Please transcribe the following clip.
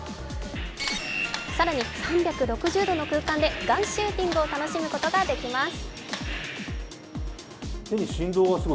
更に、３６０度の空間でガンシューティングを楽しむことができます。